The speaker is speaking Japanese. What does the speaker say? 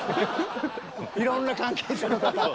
いろんな関係者の方。